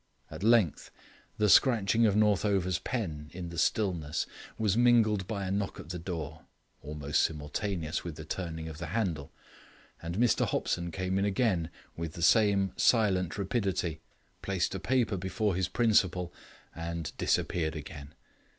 At length the scratching of Northover's pen in the stillness was mingled with a knock at the door, almost simultaneous with the turning of the handle, and Mr Hopson came in again with the same silent rapidity, placed a paper before his principal, and disappeared again.